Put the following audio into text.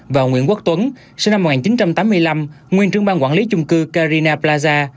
và nguyễn quốc tuấn sinh năm một nghìn chín trăm tám mươi năm nguyên trưởng ban quản lý chung cư carina plaza